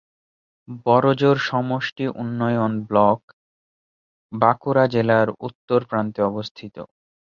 বড়জোড়া সমষ্টি উন্নয়ন ব্লক বাঁকুড়া জেলার উত্তর প্রান্তে অবস্থিত।